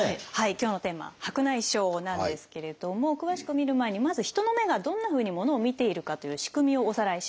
今日のテーマ「白内障」なんですけれども詳しく見る前にまず人の目がどんなふうに物を見ているかという仕組みをおさらいします。